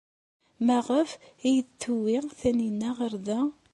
Maɣef ay iyi-d-tewwi Taninna ɣer da?